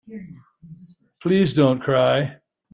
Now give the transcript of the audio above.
Please don't cry.